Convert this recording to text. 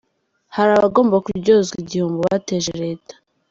Hari abagomba kuryozwa igihombo bateje Leta.